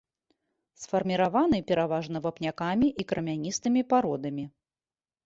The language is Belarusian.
Сфарміраваны пераважна вапнякамі і крамяністымі пародамі.